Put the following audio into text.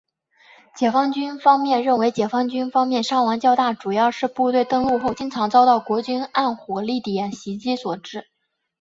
解放军方面认为解放军方面伤亡较大主要是部队登陆后经常遭到国军暗火力点袭击所致。